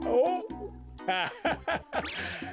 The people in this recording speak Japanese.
アハハハ。